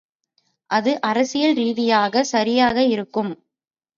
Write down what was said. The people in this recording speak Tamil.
அது அரசியல் ரீதியாக சரியாக இருக்கும்.